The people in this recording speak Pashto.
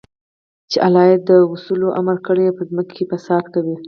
چې الله ئې د وصلَولو امر كړى او په زمكه كي فساد كوي